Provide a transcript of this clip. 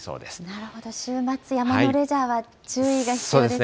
なるほど、週末、山のレジャーは注意が必要ですね。